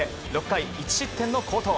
６回１失点の好投。